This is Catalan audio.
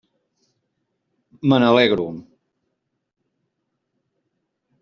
Me n'alegro.